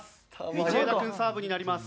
道枝くんサーブになります。